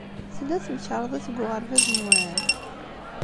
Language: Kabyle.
Tella temkarḍit deg uɣerbaz-nwen?